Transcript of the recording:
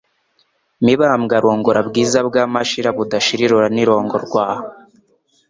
Mibambwe arongora Bwiza bwa Mashira budashira irora n'irongorwa